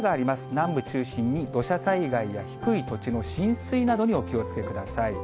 南部中心に土砂災害や低い土地の浸水などにお気をつけください。